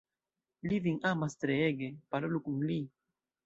Li vin amas treege, parolu kun li.